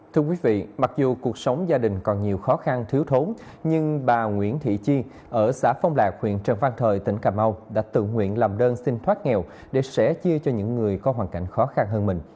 thưa quý vị mặc dù cuộc sống gia đình còn nhiều khó khăn thiếu thốn nhưng bà nguyễn thị chi ở xã phong lạc huyện trần văn thời tỉnh cà mau đã tự nguyện làm đơn xin thoát nghèo để sẽ chia cho những người có hoàn cảnh khó khăn hơn mình